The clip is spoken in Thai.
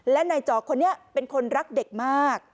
และนายจอกคนนี้เป็นคนรักเด็กมาก